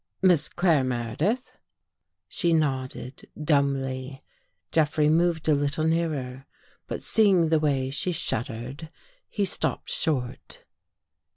" Miss Claire Meredith? " She nodded dumbly. Jeffrey moved a little nearer. But seeing the way she shuddered, he stopped short.